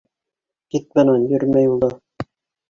— Кит бынан, йөрөмә юлда!